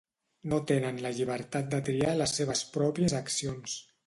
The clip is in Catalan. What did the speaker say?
No tenen la llibertat de triar les seves pròpies accions.